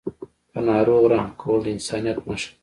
په ناروغ رحم کول د انسانیت نښه ده.